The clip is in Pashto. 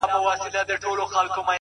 o پلار و زوی ته و ویل د زړه له زوره,